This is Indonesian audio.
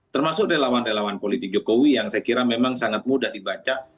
termasuk relawan relawan politik jokowi yang saya kira memang sangat mudah dibaca